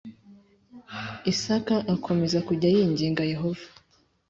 Isaka akomeza kujya yinginga Yehova